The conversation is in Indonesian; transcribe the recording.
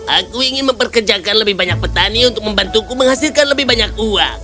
aku ingin memperkerjakan lebih banyak petani untuk membantuku menghasilkan lebih banyak uang